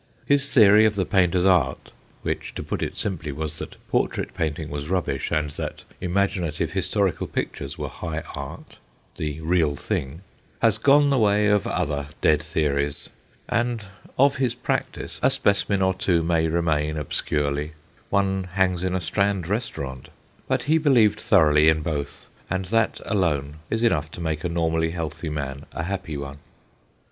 His theory of the painter's art which, to put it simply, was that portrait painting was rubbish, and that imaginative historical pictures were * high art/ the real thing, has gone the way of other dead theories, and of his practice a specimen or two may remain obscurely one hangs in a Strand restaurant but he believed thoroughly in both, and that alone is enough to make a normally healthy man a happy one.